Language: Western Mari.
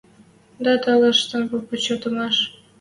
Дӓ талашен попа чотымаш: